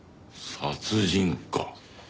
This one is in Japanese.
殺人か。